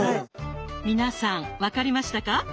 皆さん分かりましたか？